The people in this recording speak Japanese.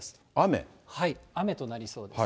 はい、雨となりそうです。